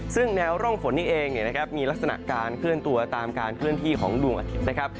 ซึ่งแนวร่องฝนนี้เองมีลักษณะการเคลื่อนตัวตามการเคลื่อนที่ของดวงอาทิตย์นะครับ